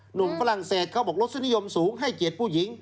หนุ่มฝรั่งเศษเขาบอกรสนิยมสูงให้เกียจผู้หญิง